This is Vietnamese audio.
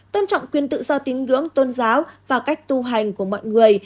tôn trọng quyền tự do tính gưỡng tôn giáo và cách tu hành của mọi người